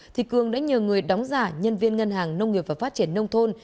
thì cường đã nhờ người đóng giả nhân viên ngân hàng nông nghiệp và phát triển nông thôn